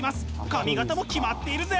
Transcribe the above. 髪形もキマっているぜ！